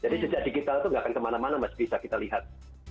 jadi sejak digital tuh nggak akan kemana mana masih bisa kita lihat